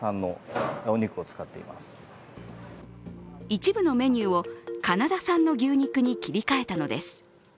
一部のメニューをカナダ産の牛肉に切り替えたのです。